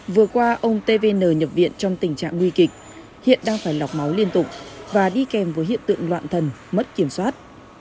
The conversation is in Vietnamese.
vừa qua ông tvn nhập viện trong tình trạng nguy kịch hiện đang phải lọc máu liên tục và đi kèm với hiện tượng loạn thần mất kiểm soát